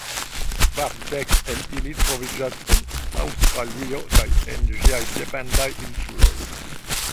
Kvar dek el ili troviĝas en Aŭstralio kaj en ĝiaj dependaj insuloj.